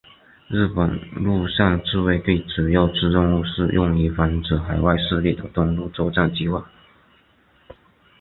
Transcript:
日本陆上自卫队主要之任务是用于防止海外势力的登陆作战计划。